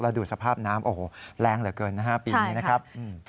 ดูสภาพน้ำโอ้โหแรงเหลือเกินนะฮะปีนี้นะครับ